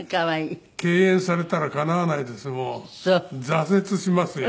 挫折しますよ。